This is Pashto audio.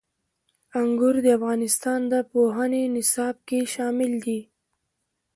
انګور د افغانستان د پوهنې نصاب کې شامل دي.